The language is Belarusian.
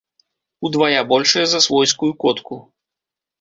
Удвая большая за свойскую котку.